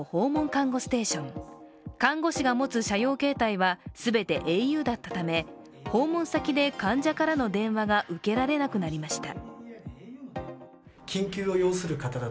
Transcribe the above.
看護師が持つ社用携帯は全てａｕだったため訪問先で患者からの電話が受けられなくなりました。